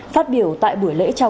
phát biểu tại buổi lễ trao